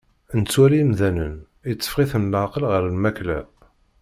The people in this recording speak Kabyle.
Nettwali imdanen, itteffeɣ-iten leɛqel ɣer lmakla.